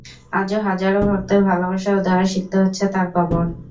আজও হাজারো ভক্তের ভালোবাসা ও দোয়ায় সিক্ত হচ্ছে তার কবর।